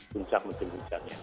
puncak musim hujannya